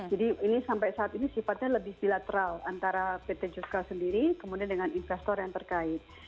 jadi ini sampai saat ini sifatnya lebih bilateral antara pt juska sendiri kemudian dengan investor yang terkait